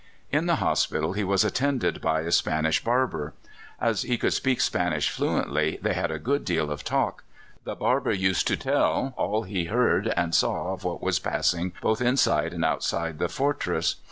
In the hospital he was attended by a Spanish barber. As he could speak Spanish fluently, they had a good deal of talk. The barber used to tell all he heard and saw of what was passing both inside and outside the fortress.